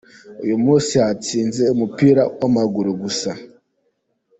Uyu musi hatsinze umupira w'amaguru gusa.